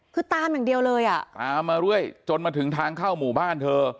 คือตามอย่างเดียวเลยอ่ะตามมาเรื่อยจนมาถึงทางเข้าหมู่บ้านเธอ